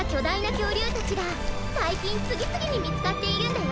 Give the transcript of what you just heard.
きょうりゅうたちがさいきんつぎつぎにみつかっているんだよ！